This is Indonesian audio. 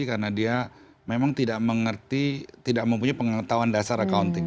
karena dia memang tidak mengerti tidak mempunyai pengetahuan dasar accounting